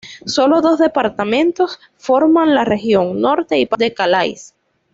Solo dos departamentos forman la región: Norte y Pas-de-Calais.